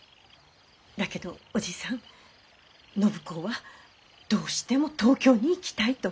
だけどおじさん暢子はどうしても東京に行きたいと。